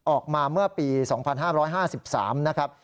ออกมาเมื่อปี๒๕๕๓นะครับ